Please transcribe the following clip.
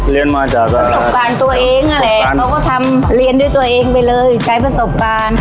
เรียนมาจากประสบการณ์ตัวเองนั่นแหละเขาก็ทำเรียนด้วยตัวเองไปเลยใช้ประสบการณ์